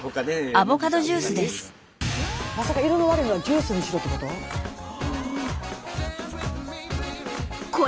まさか色の悪いのをジュースにしろってこと？